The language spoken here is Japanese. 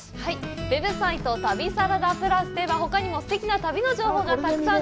ウェブサイト「旅サラダＰＬＵＳ」ではほかにも、すてきな旅の情報がたくさん！